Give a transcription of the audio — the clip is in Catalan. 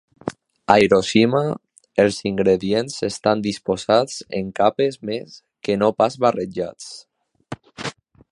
A Hiroshima, els ingredients estan disposats en capes més que no pas barrejats.